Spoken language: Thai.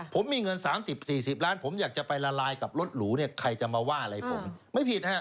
ผมมีเงิน๓๐๔๐ล้านผมอยากจะไปละลายกับรถหรูเนี่ยใครจะมาว่าอะไรผมไม่ผิดฮะ